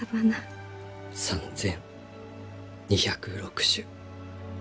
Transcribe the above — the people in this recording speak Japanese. ３，２０６種。